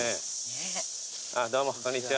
どうもこんにちは。